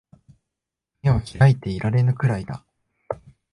眼を開いていられぬくらいだ